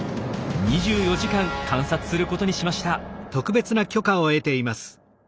２４時間観察することにしました。